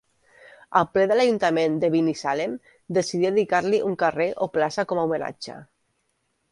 El ple de l'Ajuntament de Binissalem decidí dedicar-li un carrer o plaça com a homenatge.